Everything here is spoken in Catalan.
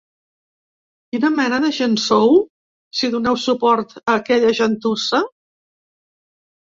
Quina mena de gent sou, si doneu suport a aquella gentussa?